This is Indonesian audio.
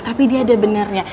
tapi dia ada benernya